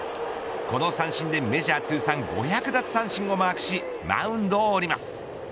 この三振で、メジャー通算５００奪三振をマークしマウンドを降ります。